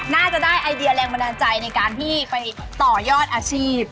น่าจะได้ไอเดียแรงบันดาลใจในการที่ไปต่อยอดอาชีพ